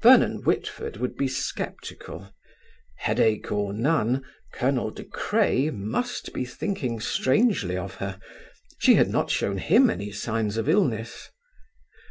Vernon Whitford would be sceptical. Headache or none, Colonel De Craye must be thinking strangely of her; she had not shown him any sign of illness.